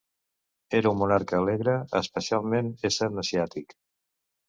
Era un monarca alegre, especialment essent asiàtic.